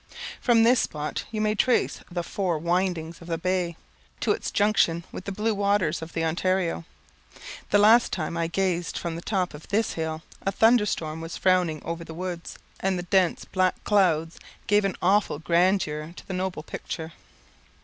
From this spot you may trace the four windings of the bay, to its junction with the blue waters of the Ontario. The last time I gazed from the top of this hill a thunder storm was frowning over the woods, and the dense black clouds gave an awful grandeur to the noble picture.